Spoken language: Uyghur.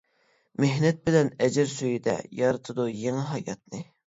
مېھنەت بىلەن ئەجىر سۈيىدە، يارىتىدۇ يېڭى ھاياتنى.